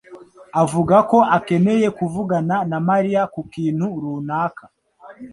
avuga ko akeneye kuvugana na Mariya ku kintu runaka.